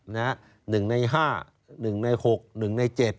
๑ใน๕๑ใน๖๑ใน๗